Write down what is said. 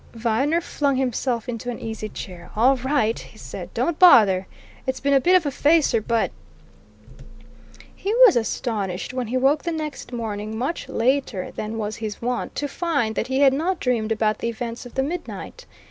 Viner flung himself into an easy chair. "All right!" he said. "Don't bother! It's been a bit of a facer, but " He was astonished when he woke the next morning, much later than was his wont, to find that he had not dreamed about the events of the midnight.